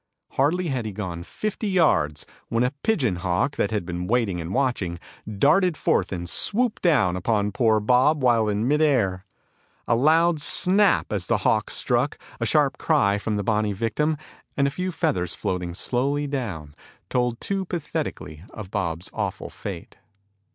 Hardly had he gone fifty yards when a pigeon hawk that had been waiting and watching, darted forth, and swooped down upon poor Bob while in mid air. A loud snap as the hawk struck, a sharp cry from the bonny victim, and a few feathers floating slowly down told too pathetically of Bob's awful fate.